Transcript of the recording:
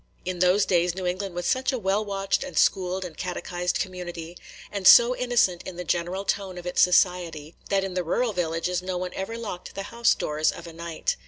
In those days New England was such a well watched and schooled and catechised community, and so innocent in the general tone of its society, that in the rural villages no one ever locked the house doors of a night.